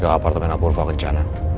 ke apartemen apurva kencana